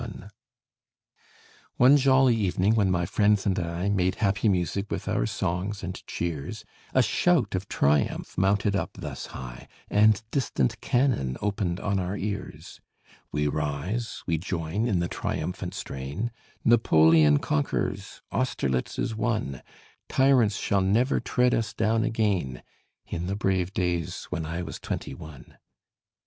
One jolly evening, when my friends and I Made happy music with our songs and cheers, A shout of triumph mounted up thus high, And distant cannon opened on our ears; We rise, we join in the triumphant strain, Napoleon conquers Austerlitz is won Tyrants shall never tread us down again, In the brave days when I was twenty one.